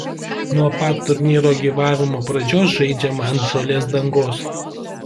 Nuo pat turnyro gyvavimo pradžios žaidžiama ant žolės dangos.